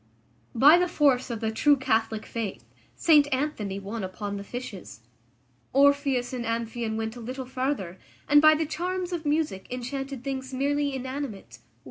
By the force of the true Catholic faith St Anthony won upon the fishes. Orpheus and Amphion went a little farther, and by the charms of music enchanted things merely inanimate.